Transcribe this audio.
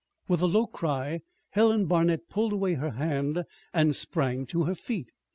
With a low cry Helen Barnet pulled away her hand and sprang to her feet.